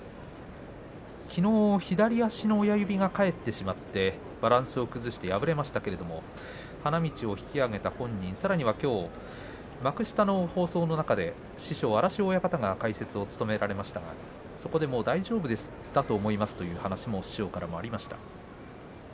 きのう左足の親指が返ってしまってバランスを崩して敗れましたけれども花道を引き揚げた本人さらにはきょう幕下の放送の中で師匠荒汐親方が解説を務められましたがそこでもう大丈夫です大丈夫だと思いますという話が師匠からありました。